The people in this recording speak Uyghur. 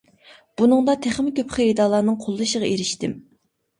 بۇنىڭدا تېخىمۇ كۆپ خېرىدارلارنىڭ قوللىشىغا ئېرىشتىم.